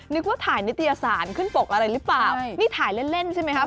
นึกว่าถ่ายนิตยสารขึ้นปกอะไรหรือเปล่านี่ถ่ายเล่นเล่นใช่ไหมครับ